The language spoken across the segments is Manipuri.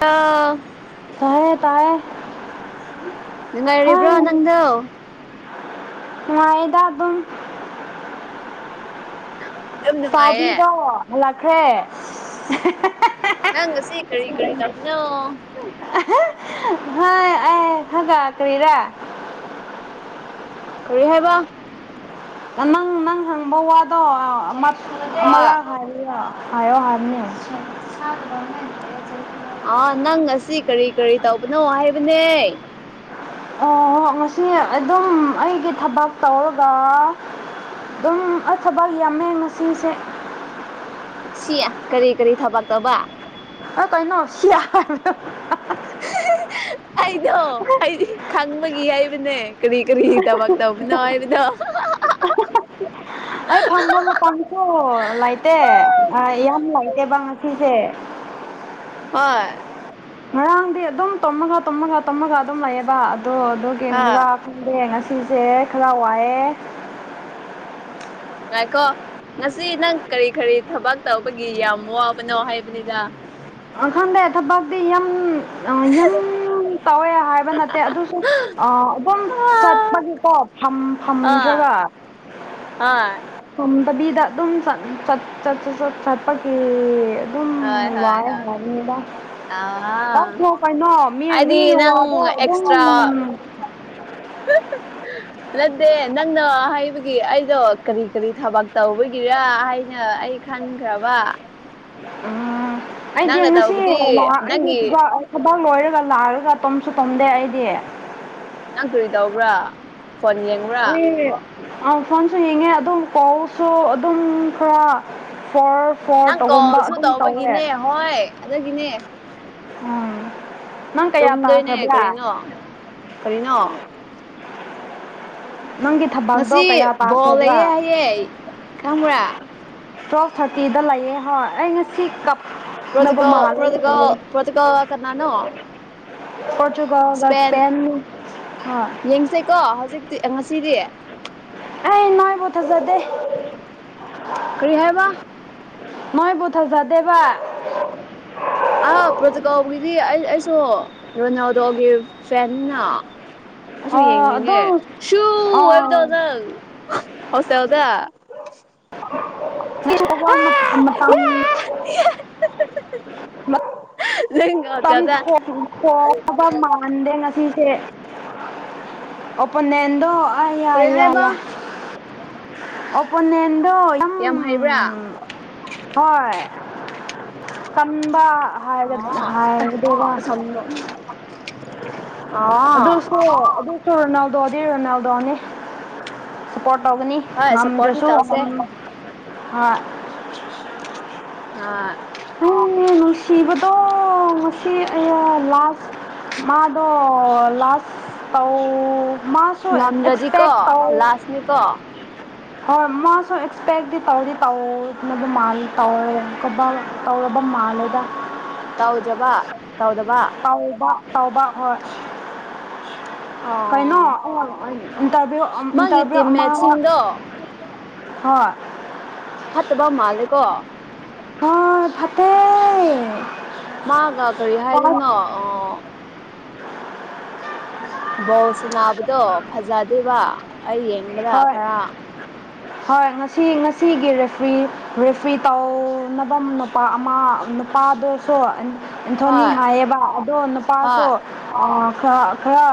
ꯑꯥ ꯇꯥꯌꯦ ꯇꯥꯌꯦ ꯅꯨꯡꯉꯥꯏꯔꯤꯕ꯭ꯔꯣ ꯅꯪꯗꯣ ꯋꯥꯏꯗꯕꯝ ꯌꯥꯝ ꯅꯨꯡꯉꯥꯏꯌꯦ ꯆꯥꯎꯥꯎꯕꯤꯔꯣ ꯍꯜꯂꯛꯈ꯭ꯔꯦ ꯅ ꯉ ꯁꯤ ꯀꯔꯤ ꯀꯅꯣ ꯍ ꯑꯦ ꯍꯒꯥ ꯀꯔꯤꯔꯦ ꯈ ꯍꯥꯏꯕ ꯅꯪ ꯅꯪ ꯍꯪꯕ ꯋꯥꯗꯣ ꯍꯣꯏ ꯃꯂ ꯍꯔ ꯍꯥꯏꯣ ꯍꯔꯅꯤ ꯑꯥ ꯅꯪ ꯉꯁꯤ ꯀꯔꯤ ꯀꯔꯤ ꯇꯧꯕꯅꯣ ꯍꯥꯏꯕꯅꯦ ꯑꯣ ꯉꯁꯤ ꯑꯗꯨꯝ ꯑꯩꯒꯤ ꯊꯕꯛ ꯇꯧꯔꯒ ꯑꯗꯨꯝ ꯑꯊꯕꯛ ꯌꯥꯝꯃꯦ ꯉꯁꯤꯁꯦ ꯁꯤꯌꯥ ꯀꯔꯤ ꯀꯔꯤ ꯊꯕꯛ ꯇꯧꯕ ꯑ ꯀꯥꯏꯅ ꯍꯧꯁꯤ ꯌꯥ [unintelligible] ꯑꯩꯗꯣ ꯑꯩꯗꯤ ꯈꯪꯕꯒꯤ ꯍꯥꯏꯕꯅꯦ ꯛꯔ꯭ꯤ ꯀꯔ꯭ꯤ ꯊꯕꯛ ꯇꯧꯕꯅꯣ ꯍꯥꯏꯕꯗꯣ [inaudible] ꯑꯩ ꯐꯝꯝꯕ ꯃ ꯄ [unintelligible] ꯑꯣ ꯂꯩꯇꯦ ꯑ ꯌꯝꯂꯩꯇꯦꯕꯥ ꯉꯁꯤ ꯁꯦ ꯍ [unintelligible] ꯉꯔꯥꯡꯗꯤ ꯑꯗꯨꯝ ꯇꯨꯝꯃꯒ ꯇꯨꯝꯃꯒ ꯇꯨꯝꯃꯒ ꯑꯗꯨꯝ ꯂꯩꯌꯦꯕꯥ ꯑꯗꯣ ꯑꯗꯨ ꯌꯦꯡꯕꯖꯥ ꯑꯥ ꯈꯪꯗꯦ ꯉꯁꯤ ꯆꯦꯁ ꯈꯔꯋꯥꯌꯦ ꯉꯥꯏꯈꯣ ꯉꯁꯤ ꯅꯪ ꯀꯔ꯭ꯤ ꯀꯔ꯭ꯤ ꯊꯕꯛ ꯇꯧꯕꯒꯤ ꯌꯥꯝ ꯋꯥꯕꯅꯣ ꯍꯥꯏꯕꯅꯤꯗ ꯑꯥ ꯋꯥꯈꯟꯗꯩ ꯊꯕꯛꯇꯗꯤ ꯌ ꯌ ꯇꯧꯋꯦ ꯍꯥꯏꯕ ꯅꯠꯇꯦ ꯑꯗꯨꯁꯨ ꯑꯥ ꯑꯗꯨꯝ ꯆꯠꯄꯒꯤꯀꯣ ꯐꯝ ꯐꯝꯗ꯭ꯔ [unintelligible] ꯑ [unintelligible] ꯕꯤꯗ ꯑꯗꯨꯝ ꯆꯠ ꯆꯠ ꯆꯠ ꯆꯠꯄꯒꯤ ꯍꯣꯏ ꯍꯣꯏ ꯍꯣꯏ ꯑꯗꯨꯒꯕ [unintelligible] ꯑꯥ ꯉꯁꯨ ꯀꯩꯅꯣ ꯃꯤꯃꯤꯒꯤ ꯍꯥꯏꯗꯤ ꯋꯥꯗꯣ ꯑꯗꯨꯝ ꯎ [unintelligible] ꯅꯠꯇꯦ ꯅꯪꯅ ꯍꯥꯏꯕꯒꯤ ꯑꯩꯗꯣ ꯀꯔ꯭ꯤ ꯀꯔ꯭ꯤ ꯊꯕꯛ ꯇꯧꯕꯒꯤꯔꯥ ꯍꯥꯏꯅ ꯑꯩ ꯈꯪꯈꯔꯕꯥ ꯎꯝ ꯑꯩꯗꯤ ꯉꯁꯤ ꯇꯧꯕꯗꯤ ꯂꯥꯛ ꯅꯪꯒꯤ ꯑꯩꯁꯕ ꯊꯕꯛ ꯂꯣꯏꯔꯒ ꯂꯥꯛꯑꯔꯒ ꯇꯣꯝꯁꯨ ꯇꯣꯝꯗꯦ ꯑꯩꯗꯤ ꯅꯪ ꯀꯔ꯭ꯤ ꯇꯧꯕ꯭ꯔꯥ ꯐꯣꯟ ꯌꯦꯡꯕ꯭ꯔꯥ ꯑꯪ ꯐꯣꯟꯁꯨ ꯌꯦꯡꯉꯦ ꯑꯗꯨꯝ ꯀꯥꯎꯁꯨ ꯑꯗꯨꯝ ꯈꯔ ꯐꯣꯔ ꯐꯣꯔ ꯅꯪ ꯇꯧꯒꯨꯝꯕ ꯀꯣꯜꯁꯨ ꯑꯗꯨꯝ ꯇꯧꯋꯦ ꯇꯧꯕꯒꯤꯅꯦ ꯍꯣꯏ ꯑꯗꯒꯤꯅꯦ ꯎꯝ [unintelligible] ꯀꯌꯥ ꯇꯨꯝꯗꯣꯏꯅꯦ ꯀꯔ꯭ꯤ ꯇꯥꯈ꯭ꯔꯕ꯭ꯔꯥ ꯅꯣ ꯀ꯭ꯔꯤ ꯅꯣ ꯅꯪꯒꯤ ꯉꯁꯤ ꯊꯕꯇꯣ ꯀꯌꯥ ꯕꯣꯜ ꯄꯥꯈꯕ꯭ꯔꯥ ꯂꯩꯌꯦ ꯍꯥꯏꯌꯦ ꯈꯪꯕ꯭ꯔꯥ ꯇꯤꯜꯒꯦ ꯊꯥꯔꯇꯤꯗ ꯂꯩꯑꯦ ꯍꯣꯏ ꯑꯩ ꯉꯁꯤ ꯀꯞ ꯄ꯭ꯔꯗꯨꯀꯜ ꯄ꯭ꯔꯣꯗꯨꯀꯜ ꯄ꯭ꯔꯣꯗꯨꯀꯜ ꯀꯥ ꯀꯅꯥꯅꯣ ꯄꯣꯔꯇꯨꯒꯜꯒ ꯑꯄꯟ ꯏꯁꯄꯦꯟ ꯍꯣꯏ ꯌꯦꯪꯁꯦꯖ ꯀꯣ ꯍꯧꯖꯤꯛꯇꯤ ꯁꯤꯔꯤꯌꯥ [inaudible] ꯑ ꯅꯣꯏꯕꯨ ꯊꯖꯗꯦ ꯀꯔꯤ ꯍꯥꯏꯕ ꯅꯣꯏꯕꯨꯊꯖꯗꯦꯕ ꯑ ꯄ꯭ꯔꯣꯇꯨꯒꯥꯎꯒꯤꯗꯤ ꯑꯩ ꯑꯩꯁꯨ ꯔꯣꯅꯥꯜꯗꯣꯒꯤ ꯐꯦꯟꯅꯤꯅ ꯑꯁꯨ ꯑꯥ ꯌꯦꯡꯅꯤꯡꯉꯦ ꯑꯗꯨꯝ ꯁꯨ ꯍꯥꯏꯕꯗꯣ ꯑꯥ ꯅꯪ ꯍꯣꯁꯇꯦꯜꯗ ꯀ ꯍ ꯃꯇꯝꯥꯡ [unintelligible] ꯃꯥ [inaudible] ꯅꯪ ꯍꯣꯁꯇꯦꯜꯗ ꯃꯥꯟꯗ ꯉ [unintelligible] ꯆꯦꯁ ꯎꯞꯅꯦꯟꯠꯗꯣ ꯀꯔꯤ ꯑꯏꯌꯁ ꯍꯥꯏꯕ ꯌꯥꯏ ꯑꯣꯄꯣꯅꯦꯟꯠ ꯌꯥꯝ ꯍꯕ꯭ꯔꯥ ꯍꯣꯏ ꯀꯟꯝꯕ ꯍꯥꯏ ꯑꯣ ꯍꯥꯏꯒꯗꯕ ꯑꯁꯣꯝꯅꯣ [unintelligible] ꯑꯣ ꯑꯗꯨ ꯁꯨ ꯑꯗꯨ ꯁꯨ ꯔꯣꯅꯥꯜꯗꯣ ꯗꯤ ꯔꯣꯅꯥꯂꯗꯣ ꯅꯤ ꯅꯦ ꯁꯨꯞꯄꯣꯔꯠ꯭ ꯇꯧꯒꯅꯤ ꯍꯣꯏ ꯁꯞꯄꯣꯔꯠꯇꯤ ꯉꯝꯗ꯭ꯔꯁꯨ ꯇꯧꯁꯦ ꯑ [unintelligible] ꯅꯪꯅꯦ ꯅꯨꯡꯁꯤꯕꯗꯣ ꯉꯁꯤ ꯑꯏꯌꯥ ꯂꯥꯁꯇ꯭ ꯃꯥꯗꯣ ꯂꯁꯇ ꯗꯧ ꯃꯁꯤ ꯉꯝꯗ꯭ꯔꯗꯤꯀꯣ ꯑꯦꯁꯄ꯭ꯤꯠ ꯗꯣꯏ ꯂꯥꯁꯅꯤꯀꯣ ꯍꯣꯏ ꯃꯥꯁꯨ ꯑꯦꯛꯁꯄꯦꯛꯗꯤ ꯇꯧꯗꯤ ꯇꯧꯋꯗꯤ ꯃꯥꯜꯂꯤ ꯇꯧꯋꯦ ꯑꯥꯎ ꯑꯣꯗ ꯃ ꯂꯩꯗ ꯇꯥꯎꯖꯕ ꯇꯥꯎꯗꯕ ꯇꯥꯎꯕ ꯍꯣꯏ ꯀꯩꯅꯣ ꯑꯣ ꯏꯟꯇꯔꯚꯤꯌꯨ ꯃꯥꯒꯤ ꯏꯟꯇꯔꯚꯤꯌꯨ ꯑꯃ ꯇꯤꯝꯃꯦꯠꯁꯤꯡꯗꯣ [inaudible] ꯍꯣꯏ ꯐꯠꯇꯕ ꯃꯥꯜꯂꯦꯀꯣ ꯍ ꯐꯇꯦ ꯃꯥꯒ ꯀꯔꯤ ꯍꯥꯏꯗꯣꯏꯅꯣ ꯑꯣ ꯕꯣꯜꯁꯕꯗꯣ ꯐꯖꯗ꯭ꯦꯕ ꯑꯩ ꯌꯦꯡꯕꯗ ꯍꯣꯏ ꯈꯔ ꯍꯣꯏ ꯉꯁꯤ ꯉꯁꯤꯒꯤ ꯔꯦ꯭ꯔꯤ ꯔꯦꯐ꯭ꯔꯤ ꯇꯧꯅꯐꯝ ꯅꯨꯄꯥ ꯑꯃ ꯅꯨꯄꯥꯗꯨꯁꯨ ꯑꯦꯟꯊꯣꯅꯤ ꯍꯣꯏ ꯍꯥꯏꯌꯦꯕ ꯑꯗꯣ ꯍꯣꯏ ꯅꯨꯄꯥꯁꯨ ꯈꯔ ꯈꯔ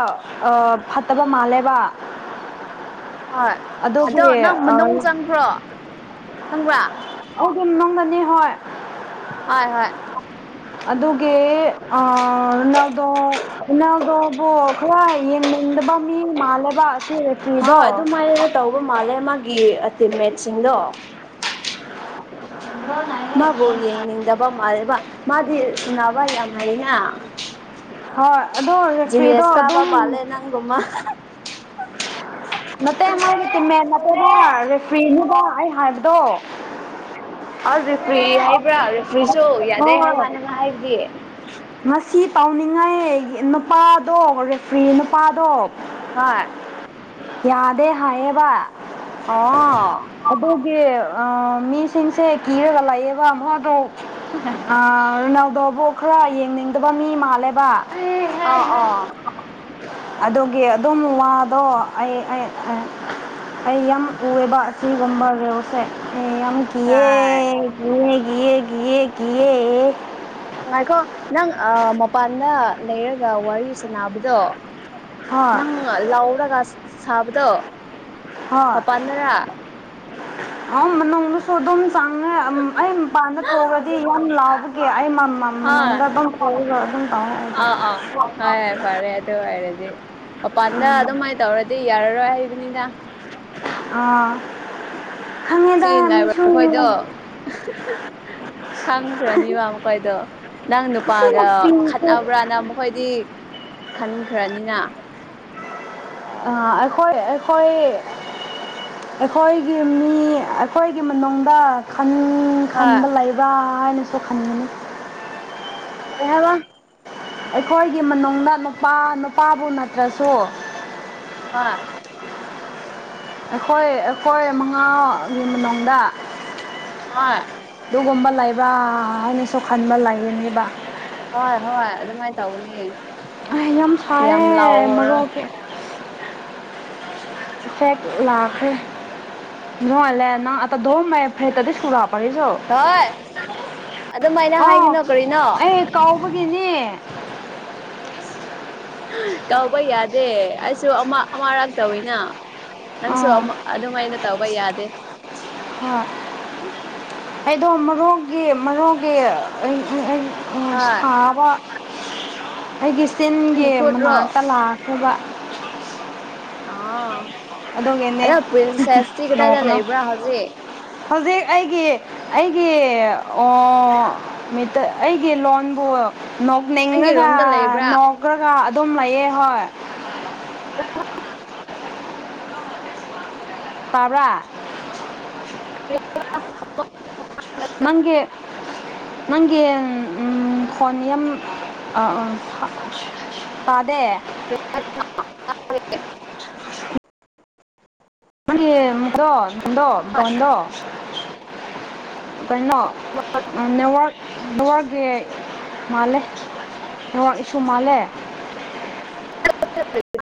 ꯐꯠꯇꯕ ꯃꯥꯜꯂꯦꯕ ꯍꯣꯏ ꯑꯗꯣ ꯑꯗꯨꯒꯤ ꯅꯪ ꯃꯅꯨꯡ ꯆꯪꯈ꯭ꯔꯣ ꯈꯪꯕ꯭ꯔꯥ ꯑꯗꯨ ꯑꯗꯨꯝ ꯅꯪꯒꯅꯤ ꯍꯣꯏ ꯍꯣꯏ ꯍꯣꯏ ꯑꯗꯨꯒꯤꯅꯥꯜꯗꯣꯨꯅꯥꯜꯗꯣꯕꯨ ꯈꯔ ꯌꯦꯡꯅꯤꯡ ꯃꯕ ꯃꯤ ꯃꯥꯂꯕ ꯍ ꯑꯗꯨꯃꯥꯏꯅꯅ ꯇꯧꯕ ꯃꯥꯜꯂꯦ ꯃꯥꯒꯤ ꯑ ꯇꯤꯃꯦꯠꯁꯤꯡꯗꯣ ꯃꯥꯕꯨ ꯌꯦꯡꯅꯤꯡꯗꯕ ꯃꯥꯜꯂꯕ ꯃꯥꯗꯤ ꯁꯨꯅꯕ ꯌꯥꯝ ꯍꯥꯏꯅ ꯍꯣꯏ ꯑꯣ ꯔꯦ ꯐꯤꯗꯣ ꯑꯗꯨꯝ ꯃꯥꯜꯂꯦ ꯅꯪꯒꯨꯝꯕ ꯃꯇꯩ ꯃꯥꯒꯤ ꯇꯤꯃꯦꯦꯟ ꯅꯠꯇꯦꯕ ꯔꯦꯐ꯭ꯔꯤꯗꯨꯗ ꯑꯩꯅ ꯍꯥꯏꯕꯗꯣ ꯑ ꯔꯦꯐ꯭ꯔꯤ ꯍꯥꯏꯕ꯭ꯔꯥ ꯔꯦꯐ꯭ꯔꯤꯁꯨ ꯌꯥꯗꯩ ꯍꯣꯏ ꯍꯥꯏꯕ꯭ꯔ ꯅꯪꯅ ꯍꯥꯏꯕꯗꯤ ꯉꯁꯤ ꯇꯥꯎꯅꯤꯡꯉꯥꯏ ꯅꯨꯄꯥꯗꯣ ꯔꯦꯐ꯭ꯔꯤ ꯅꯨꯄꯥꯗꯣ ꯍꯥ ꯌꯥꯗꯦ ꯍꯥꯏꯌꯦꯕ ꯑꯣ ꯑ ꯃꯤꯁꯤꯡꯁꯦ ꯀꯤꯔꯒ ꯂꯥꯛꯌꯦꯕ ꯑꯃꯛ ꯑꯗꯨꯣ ꯅꯥꯎꯗꯕꯨ ꯈꯔ ꯌꯦꯡꯅꯤꯡꯗꯕ ꯃꯤ ꯃꯥꯜꯂꯦꯕ ꯑꫭ ꯑꫭ ꯑꯗꯨꯒꯤ ꯑꯗꯨꯝ ꯋꯥꯗꯣ ꯑꯩ ꯑꯩ ꯌꯥꯝ ꯎꯑꯦꯕ ꯁꯤꯒꯨꯝꯕ ꯔꯣꯁꯦ ꯌꯥꯝ ꯔꯥꯏꯠ ꯀꯤꯌꯦꯦ ꯀ ꯌꯦꯌꯦ ꯌꯦ ꯌꯦ ꯉꯅꯨꯡꯉꯥꯏꯈꯣ ꯅꯪ ꯃꯄꯥꯟꯗ ꯂꯩꯔꯒ ꯋꯥꯔꯤ ꯁꯥꯟꯅꯕꯗꯣ ꯍꯣꯏ ꯅꯪ ꯂꯥꯎꯔꯒ ꯁꯥꯕꯗꯣ ꯍꯣꯏ ꯃꯄꯥꯟꯗꯔꯥ ꯑ ꯅꯣꯡꯃꯁꯨ ꯑꯗꯨꯝ ꯆꯥꯡꯉꯦ ꯑꯩ ꯃꯄꯥꯟꯗ ꯊꯣꯛꯑꯗꯤ ꯌꯥꯝ ꯂꯥꯎꯕꯒꯦ ꯑꯩ ꯃ ꯍꯣꯏ ꯅꯨꯅꯨꯡꯗ ꯑꯗꯨꯝ ꯀꯕ ꯑꯗꯨꯝ ꯇꯥꯎ ꯑꯥ ꯑꯥ ꯍꯣꯏ ꯐꯔꯦ ꯑꯗꯨ ꯑꯣꯏꯔꯗꯤ ꯃꯄꯥꯟꯗ ꯑꯗꯨꯃꯥꯏꯅ ꯇꯧꯔꯗꯤ ꯌꯥꯔꯔꯣꯏ ꯍꯕꯅꯤꯅ ꯑꯥ ꯁꯤ ꯈꯪꯉꯦꯗ ꯃꯤꯁꯨ ꯅꯥꯏꯕ꯭ꯔꯈꯣꯏꯗꯣ ꯊꯪ꯭ꯔꯥꯅꯤꯕꯃ ꯀꯣꯏꯗꯣ ꯅꯪ ꯑꯁꯤ ꯅꯨꯄꯥꯒ ꯅꯨꯄꯤꯁꯦ ꯈꯠꯅꯕ꯭ꯔꯥꯅ ꯃꯈꯣꯏꯗꯤ ꯈꯟꯈ꯭ꯔꯅꯤꯅ ꯑ ꯑꯩꯈꯣꯏ ꯑꯩꯈꯣꯏ ꯑꯩꯈꯣꯏꯒꯤ ꯃꯤ ꯑꯩꯈꯣꯏꯒꯤ ꯃꯅꯨꯡꯗ ꯅꯨꯡ ꯍꯣꯏ ꯈꯥꯟꯕ ꯂꯥꯏꯕ ꯅ ꯁꯣ ꯈꯥꯟꯒꯅꯤ ꯀꯦꯍꯕ ꯑꯩꯈꯣꯏꯒꯤ ꯃꯅꯨꯡꯗ ꯅꯨꯄꯥ ꯅꯨꯄꯥꯕꯨ ꯅꯠꯇ꯭ꯔꯁꯨ ꯑ ꯑꯩꯈꯣꯏ ꯑꯩꯈꯣꯏ ꯃꯉꯥꯒꯤ ꯃꯅꯨꯡꯗ ꯍ ꯁꯤꯨꯒꯨꯝꯕ ꯂꯥꯏꯕ ꯑꯩꯅ ꯁꯣ ꯈꯥꯟꯕ ꯂꯥꯏꯅꯦꯕ ꯍꯣꯏ ꯍꯣꯏ ꯑꯗꯨꯃꯥꯏꯅ ꯇꯧꯅꯤ ꯑ ꯌꯥꯝ ꯐꯥꯏꯦ ꯃꯔꯣꯛꯁ ꯐ ꯂꯥꯛꯈꯔꯦ ꯅꯂ ꯑ ꯗꯣ ꯃ ꯐꯦ ꯇꯗꯤ ꯀ ꯀꯔꯤꯁꯨ ꯍꯣꯏ ꯑꯗꯨꯃꯥꯏꯅ ꯑ ꯍꯥꯏꯒꯅꯣ ꯀꯔꯤꯅꯣ ꯑꯩ ꯀꯥꯎꯕꯒꯤꯅꯦ ꯀꯧꯕ ꯌꯥꯗꯦ ꯑꯩꯁꯨ ꯑꯃꯔꯛꯇꯧꯅ ꯅꯪꯁꯨ ꯑꯥ ꯑꯗꯨꯃꯥꯏꯅ ꯇꯧꯕ ꯌꯥꯗꯦ ꯍ ꯎꯝ ꯑꯩꯗꯣ ꯃꯔꯣꯛꯒꯤ ꯃꯔꯣꯡꯒꯤ ꯍꯥ ꯁꯥꯕ ꯑꯩꯒꯤ ꯆꯤꯟꯒꯤ ꯅꯪꯒꯤ ꯈꯨꯠꯔꯣ ꯃꯅꯥꯛꯇ ꯂꯥꯛꯈꯤꯕ ꯑ ꯑꯗꯨꯒꯤꯅꯦ ꯑꯗꯣ ꯄ꯭ꯔꯤꯟꯁꯦꯁꯇꯤ ꯀꯗꯥꯏꯗ ꯅꯣꯛꯀꯅꯨ ꯂꯩꯕ꯭ꯔꯥ ꯍꯧꯖꯤꯛ ꯍꯧꯖꯤꯛ ꯑꯩꯒꯤ ꯑꯩꯒꯤ ꯃꯤ ꯑꯩꯒꯤ ꯂꯣꯟꯕꯨ ꯅꯪꯒꯤ ꯅꯣꯛꯅꯤꯡꯉꯒ ꯔꯨꯝꯗ ꯂꯩꯕ꯭ꯔꯥ ꯅꯣꯛꯈ꯭ꯔꯒ ꯑꯗꯨꯝ ꯂꯩꯌꯦꯦ ꯍꯣꯏ ꯇꯕ꯭ꯔ ꯅꯪꯒꯦ ꯅꯪꯒꯤ ꯐꯣꯟꯅꯤ ꯑ ꯑꯥ ꯐꯗꯦ [unintelligible] ꯗꯗ ꯗ ꯀꯅꯣ ꯅꯦꯋꯥꯔ ꯅꯋꯥꯥꯛꯁ ꯃꯥꯜꯂꯦ ꯅꯋꯥꯥꯛ ꯏꯁꯨ ꯃꯥꯜꯂꯦ [unintelligible]